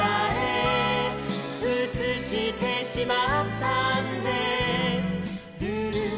「うつしてしまったんですル・ル」